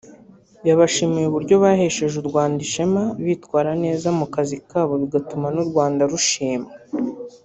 yabashimiye uburyo bahesheje u Rwanda ishema bitwara neza mu kazi kabo bigatuma n’u Rwanda rushimwa